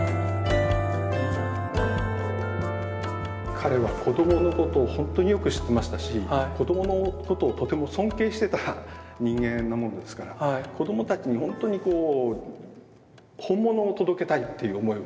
彼は子どものことをほんとによく知ってましたし子どものことをとても尊敬してた人間なもんですから子どもたちにほんとにこう本物を届けたいっていう思いを。